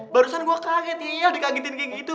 barusan gue kaget iya dikagetin kayak gitu